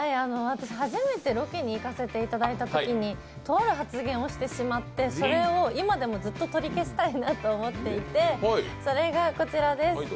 私、初めてロケに行かせていただいたときにとある発言をしてしまってそれを今でもずっと取り消したいなと思っていてそれがこちらです。